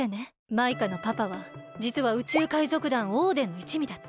マイカのパパはじつは宇宙海賊団オーデンのいちみだった。